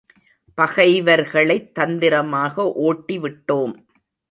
பகைவர்களைத் தந்திரமாக ஓட்டிவிட்டோம்.